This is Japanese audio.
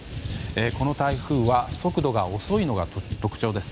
この台風は速度が遅いのが特徴です。